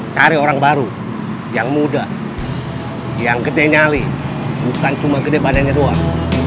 cari orang baru yang muda yang gede nyali bukan cuma kedepannya ini doang